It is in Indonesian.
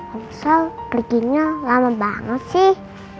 om sal perginya lama banget sih